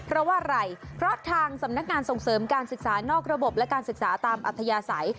เพราะว่าอะไรเพราะทางสำนักงานส่งเสริมการศึกษานอกระบบและการศึกษาตามอัธยาศัย